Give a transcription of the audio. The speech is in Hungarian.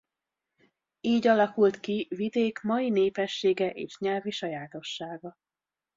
Így alakult ki vidék mai népessége és nyelvi sajátossága.